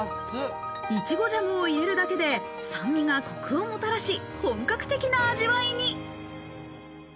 いちごジャムを入れるだけで酸味がコクをもたらし、本格的な味わいに。